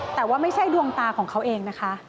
แต่ว่าไม่ใช่ดวงตาของเขาเองนะคะ